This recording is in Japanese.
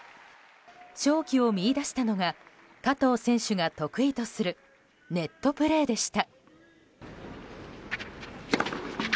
勝機を見いだしたのが加藤選手が得意とするネットプレーでした。